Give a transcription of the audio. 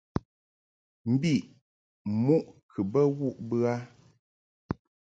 Mbiʼ muʼ kɨ bə wuʼ bə a .